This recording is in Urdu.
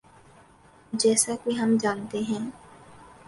جیسا کہ ہم جانتے ہیں۔